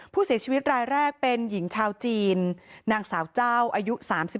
ผู้เสียชีวิตรายแรกเป็นหญิงชาวจีนนางสาวเจ้าอายุ๓๒